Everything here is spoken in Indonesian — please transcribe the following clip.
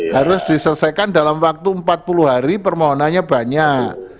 harus diselesaikan dalam waktu empat puluh hari permohonannya banyak